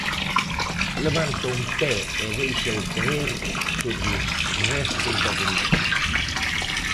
Levanta un pé e déixao caer sobre os restos da boneca.